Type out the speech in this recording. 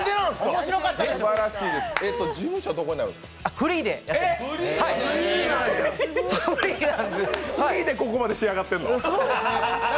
フリーでここまで仕上がってんの？